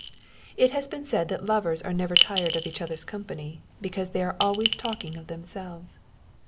It has been said that lovers are never tired of each other's company, because they are always talking of themselves.